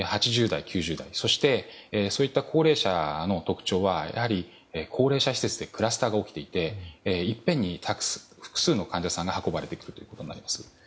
８０代、９０代そしてそういった高齢者の特徴はやはり高齢者施設でクラスターが起きていていっぺんに複数の患者さんが運ばれてくることになります。